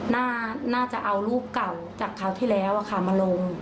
น่าจะเอารูปเก่าจากคราวที่แล้วมาลง